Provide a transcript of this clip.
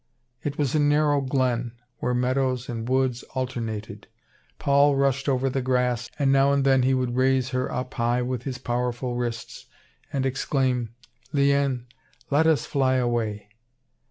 It was a narrow glen, where meadows and woods alternated. Paul rushed over the grass, and now and then he would raise her up high with his powerful wrists, and exclaim: "Liane, let us fly away."